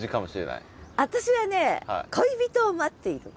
私はね恋人を待っている。